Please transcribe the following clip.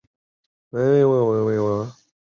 涂鸦很快已被黑色胶袋遮盖。